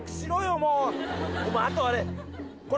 もうお前あとあれこれ